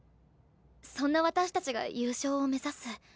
そんな私たちが「優勝」を目指す。